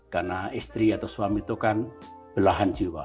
karena istri atau suami itu kan belahan jiwa